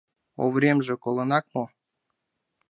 Овремже коленак мо?